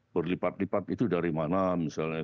berlipat lipat itu dari mana misalnya